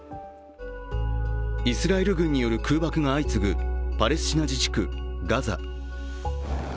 イスラエル軍による空爆が相次ぐパレスチナ自治区ガザ。